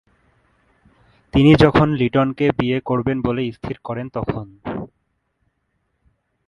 তিনি যখন লিটনকে বিয়ে করবেন বলে স্থির করেন তখন